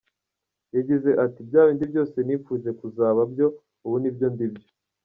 Yagize ati "Bya bindi byose nifuje kuzaba byo ubu nibyo ndibyo.